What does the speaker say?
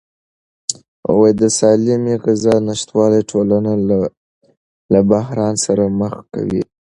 د سالمې غذا نشتوالی ټولنه له بحران سره مخ کوي.